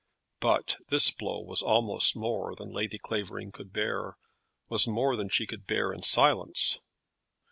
But this blow was almost more than Lady Clavering could bear, was more than she could bear in silence.